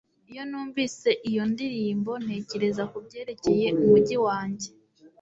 Iyo numvise iyo ndirimbo ntekereza kubyerekeye umujyi wanjye